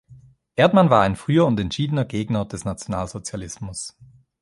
Erdmann war ein früher und entschiedener Gegner des Nationalsozialismus.